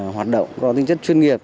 hoạt động có tính chất chuyên nghiệp